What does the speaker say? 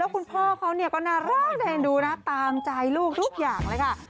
แล้วคุณพ่อเขาก็น่ารักได้เห็นดูนะตามใจลูกทุกอย่างเลยค่ะ